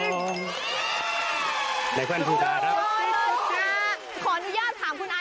ขออนุญาตถามคุณอานิดหนึ่ง